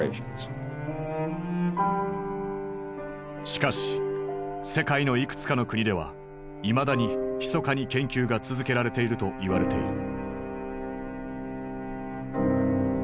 しかし世界のいくつかの国ではいまだにひそかに研究が続けられていると言われている。